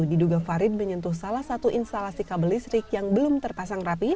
diduga farid menyentuh salah satu instalasi kabel listrik yang belum terpasang rapi